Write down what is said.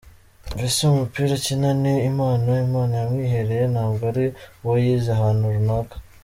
Mbese umupira akina ni impano Imana yamwihereye ntabwo ari uwo yize ahantu runaka.